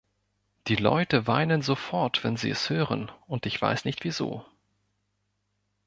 Die Leute weinen sofort, wenn sie es hören, und ich weiß nicht, wieso.